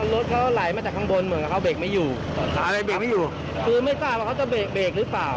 รถเขาไหลมาจากข้างบนเหมือนเปรมาเบลล์ไม่อยู่ไม่ทราบว่าเค้าจะเบลล์เบลล์หรือเปล่า